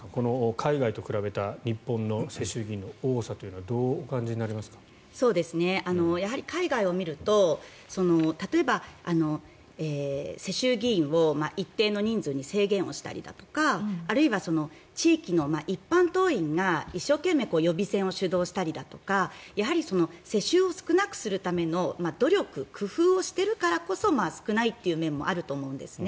海外と比べた日本の世襲議員の多さというのは海外を見ると例えば、世襲議員を一定の人数に制限をしたりだとかあるいは地域の一般党員が一生懸命予備選を主導したりだとかやはり世襲を少なくするための努力、工夫をしているからこそ少ないという面もあると思うんですね。